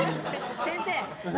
先生。